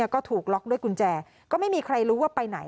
ก็ถูกล็อกด้วยกุญแจก็ไม่มีใครรู้ว่าไปไหน